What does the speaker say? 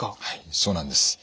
はいそうなんです。